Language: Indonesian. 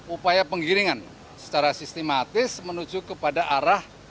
upaya penggiringan secara sistematis menuju kepada arah